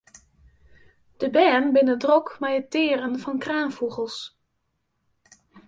De bern binne drok mei it tearen fan kraanfûgels.